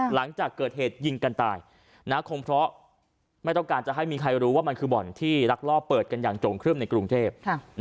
หลังจากเกิดเหตุยิงกันตายคงเพราะไม่ต้องการจะให้มีใครรู้ว่ามันคือบ่อนที่รักรอบเปิดกันอย่างโจ่งครึ่มในกรุงเทพ